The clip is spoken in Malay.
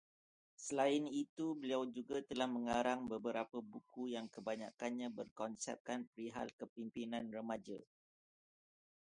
Selain itu, beliau juga telah mengarang beberapa buku yang kebanyakkannya berkonsepkan perihal kepemimpinan remaja